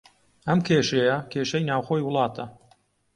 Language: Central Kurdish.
ئەم کێشەیە، کێشەی ناوخۆی وڵاتە